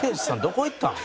どこ行ったん？